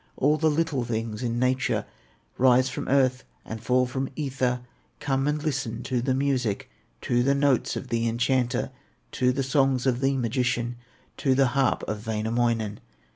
All the little things in nature, Rise from earth, and fall from ether, Come and listen to the music, To the notes of the enchanter, To the songs of the magician, To the harp of Wainamoinen.